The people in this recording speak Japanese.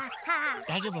だいじょうぶ？